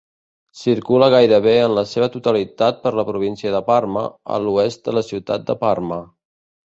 Circula gairebé en la seva totalitat per la província de Parma, a l'oest de la ciutat de Parma.